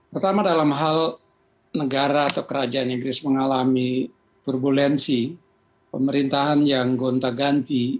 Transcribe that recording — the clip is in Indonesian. pertama dalam hal negara atau kerajaan inggris mengalami turbulensi pemerintahan yang gonta ganti